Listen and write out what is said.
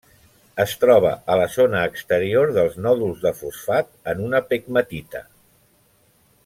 Es troba a la zona exterior dels nòduls de fosfat en una pegmatita.